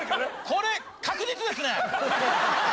これ確実ですね！